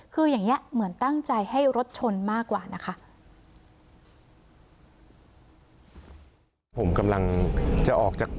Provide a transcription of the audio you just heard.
คืออย่างนี้เหมือนตั้งใจให้รถชนมากกว่านะคะ